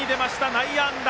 内野安打！